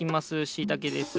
しいたけです。